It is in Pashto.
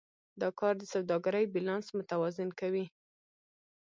دا کار د سوداګرۍ بیلانس متوازن کوي.